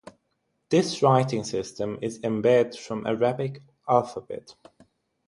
This writing system is embed from Arabic Alphabet.